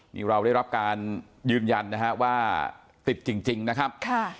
นี่เราได้รับการยืนยันนะฮะว่าติดจริงนะครับ